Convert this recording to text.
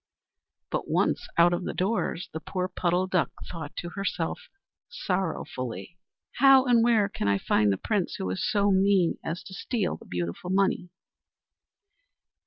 But once out of doors the poor Puddle Duck thought to herself sorrowfully: "How and where can I find the Prince who was so mean as to steal the beautiful money?"